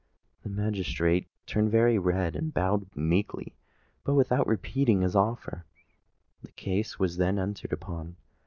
The magistrate turned very red, and bowed meekly, but without repeating his offer. The case was then entered upon.